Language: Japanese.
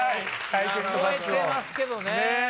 覚えてますけどね。